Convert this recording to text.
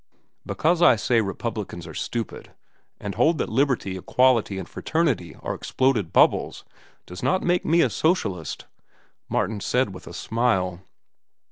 "Because I say Republicans are stupid, and hold that liberty, equality, and fraternity are exploded bubbles, does not make me a socialist," Martin said with a smile.